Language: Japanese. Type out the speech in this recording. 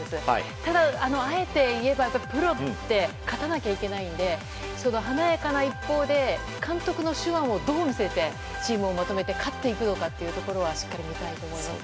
ただ、あえて言えばプロって勝たなきゃいけないので華やかな一方で監督の手腕をどう見せてチームをまとめて勝っていくのかというところはしっかり見たいと思います。